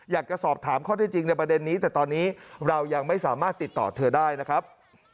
อยากจะสอบถามข้อที่จริงในประเด็นนี้แต่ตอนนี้เรายังไม่สามารถติดต่อเธอได้นะครับ